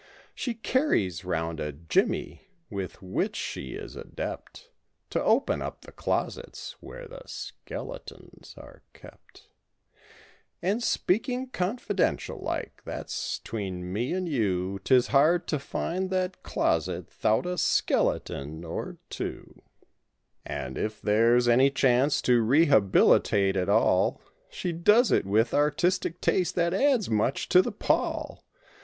She carries round a "jimmy," with which she is adept. To open up the closets where the "skeletons" are kept, (And speaking confidential like, that's 'tween me and you 13 'Tis hard to find that closet 'thout a "skeleton" or two) And if there's any chance to rehabilitate at all She does it with artistic taste, that adds much to the pall.